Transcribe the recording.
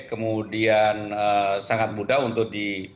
kemudian sangat mudah untuk di